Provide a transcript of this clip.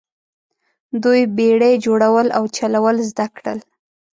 دوی بیړۍ جوړول او چلول زده کړل.